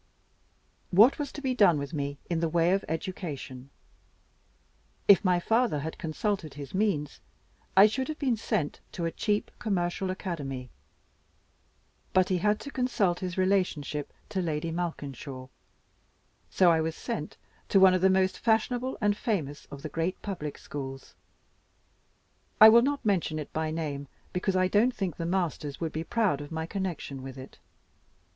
What was to be done with me in the way of education? If my father had consulted his means, I should have been sent to a cheap commercial academy; but he had to consult his relationship to Lady Malkinshaw; so I was sent to one of the most fashionable and famous of the great public schools. I will not mention it by name, because I don't think the masters would be proud of my connection with it.